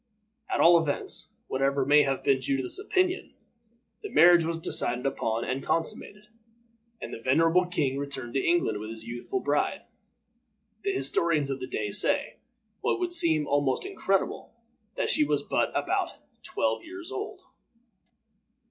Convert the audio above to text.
At all events, whatever may have been Judith's opinion, the marriage was decided upon and consummated, and the venerable king returned to England with his youthful bride. The historians of the day say, what would seem almost incredible, that she was but about twelve years old.